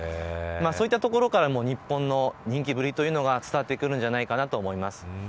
そういったところからも、日本の人気ぶりが伝わってくるんじゃないかと思います。